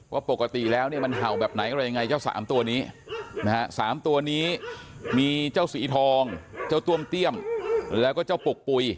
ว่าปกติแล้วเนี่ยมันเห่าแบบไหนอะไรยังไงเจ้าสามตัวนี้นะฮะ๓ตัวนี้มีเจ้าสีทองเจ้าต้วมเตี้ยมแล้วก็เจ้าปุกปุ๋ย